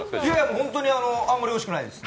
本当にあんまりおいしくないです。